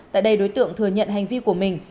tại đây đối tượng thừa nhận hành vi của mình